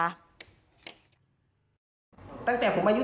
ตั้งแต่ผมอายุ๑๔อ่ะ